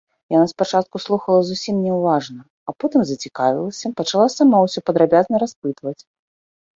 Яна спачатку слухала зусім няўважна, а потым зацікавілася, пачала сама ўсё падрабязна распытваць.